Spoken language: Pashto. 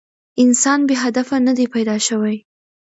انسان بې هدفه نه دی پيداشوی